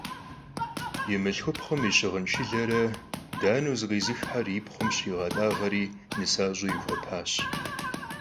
Yi mılhxupxhum yi şığın şşılere daneu zıkhizıxxer yi pxhum şriğet'ağeri nısaş'eu yixuepaş.